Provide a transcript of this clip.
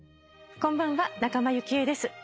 こんばんは仲間由紀恵です。